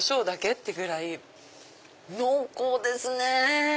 ってぐらい濃厚ですね。